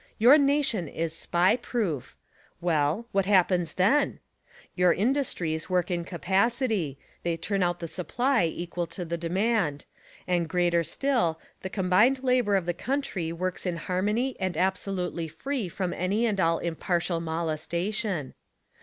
Your nation is Spy Proof. Well, what happens then? Your industries work in capacity; they turn out the supply equal to the demand ; and, greater still, the combined labor of the country works in harmony and absolutely free from any and all impartial molestation.